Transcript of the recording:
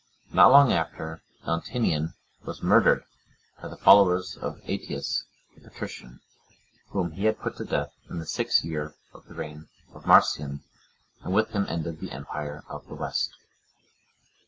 Not long after, Valentinian was murdered by the followers of Aetius, the patrician, whom he had put to death, in the sixth(102) year of the reign of Marcian, and with him ended the empire of the West.